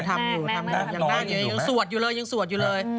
ทำอยู่ใช่มั้ยแน่งทำน้อยอยู่แม่งยังสวดอยู่เลยยังสวดอยู่เลย